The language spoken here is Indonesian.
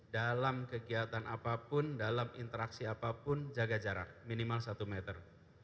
dalam kegiatan apapun dalam interaksi apapun jaga jarak minimal satu meter